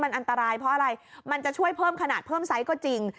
อันตรายเพราะอะไรมันจะช่วยเพิ่มขนาดเพิ่มไซส์ก็จริง